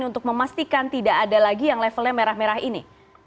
untuk memastikan tidak ada lagi yang levelnya merah merah ini